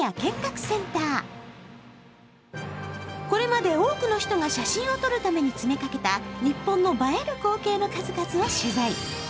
これまで多くの人が写真を撮るために詰めかけた日本の映える光景の数々を取材。